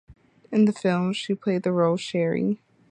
In the film she played the role "Sheri".